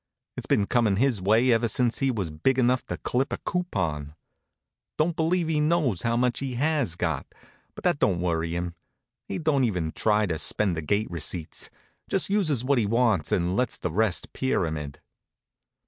It's been comin' his way ever since he was big enough to clip a coupon. Don't believe he knows how much he has got, but that don't worry him. He don't even try to spend the gate receipts; just uses what he wants and lets the rest pyramid.